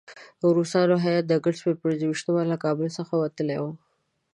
روسانو هیات د اګست پر پنځه ویشتمه له کابل څخه وتلی وو.